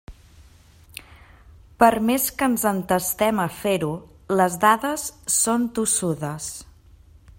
Per més que ens entestem a fer-ho, les dades són tossudes.